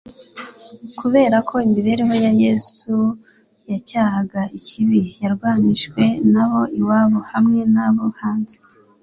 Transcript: Kubera ko imibereho ya Yesu yacyahaga ikibi, yarwanijwe n'abo iwabo, hamwe n'abo hanze